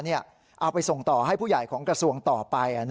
เอาไปส่งต่อให้ผู้ใหญ่ของกระทรวงต่อไป